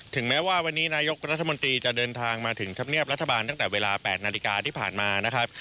แม้ว่าวันนี้นายกรัฐมนตรีจะเดินทางมาถึงธรรมเนียบรัฐบาลตั้งแต่เวลา๘นาฬิกาที่ผ่านมานะครับ